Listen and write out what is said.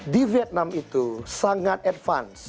di vietnam itu sangat advance